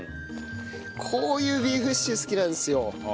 こういうビーフシチュー好きなんですよ。